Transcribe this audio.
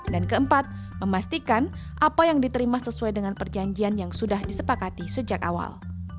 keempat memastikan apa yang diterima sesuai dengan perjanjian yang sudah disepakati sejak awal